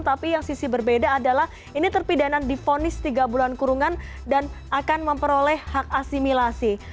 tapi yang sisi berbeda adalah ini terpidana difonis tiga bulan kurungan dan akan memperoleh hak asimilasi